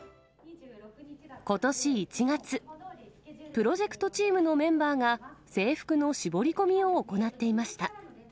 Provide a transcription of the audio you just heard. ことし１月、プロジェクトチームのメンバーが、制服の絞り込みを行っていました。